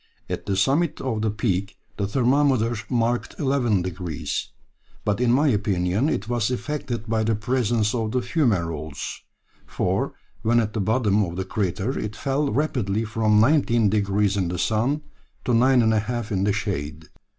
At the summit of the peak the thermometer marked 11 degrees, but in my opinion it was affected by the presence of the fumerolles, for when at the bottom of the crater it fell rapidly from 19 degrees in the sun to 9 degrees 5' in the shade."